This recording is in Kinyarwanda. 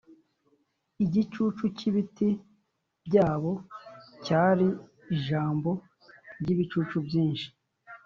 igicucu cyibiti byabo cyari ijambo ryibicucu byinshi